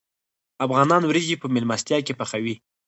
افغانان وریجې په میلمستیا کې پخوي.